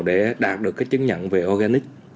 để đạt được chứng nhận về organic